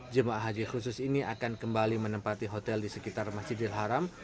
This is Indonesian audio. jemaah haji khusus ini akan kembali menempati hotel di sekitar masjidil haram